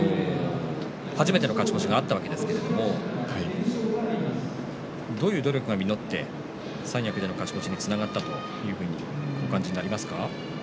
初めての勝ち越しがあったわけですけれどもどういう努力が実って三役での勝ち越しにつながったというふうにお感じになりますか。